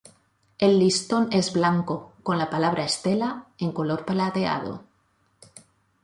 El listón es blanco con la palabra "Estela" en color plateado.